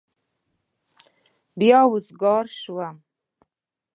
بيا وزگار سوم.